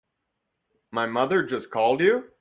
My mother just called you?